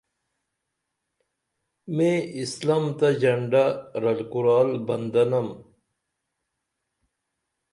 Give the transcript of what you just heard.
میں اسلام تہ ژنڈہ رل کُرال بندہ نم